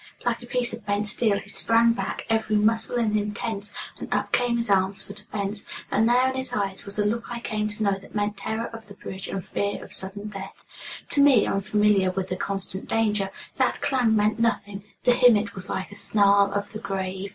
Like a piece of bent steel he sprang back, every muscle in him tense, and up came his arms for defense, and there in his eyes was the look I came to know that meant terror of the bridge, and fear of sudden death. To me, unfamiliar with the constant danger, that clang meant nothing; to him it was like a snarl of the grave.